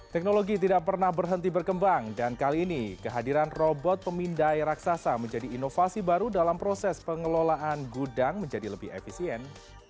teknologi tidak pernah berhenti berkembang dan kali ini kehadiran robot pemindai raksasa menjadi inovasi baru dalam proses pengelolaan gudang menjadi lebih efisien